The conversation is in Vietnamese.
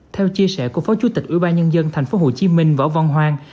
theo chia sẻ của phó chủ tịch ủy ban nhân dân tp hcm võ văn hoàng